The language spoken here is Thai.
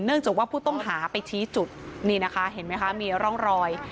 จากว่าผู้ต้องหาไปชี้จุดนี่นะคะเห็นไหมคะมีร่องรอย